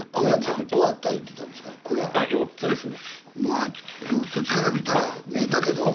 やっぱりそっちから見たら見えたけど。